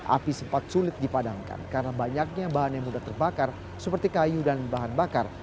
api sempat sulit dipadamkan karena banyaknya bahan yang mudah terbakar seperti kayu dan bahan bakar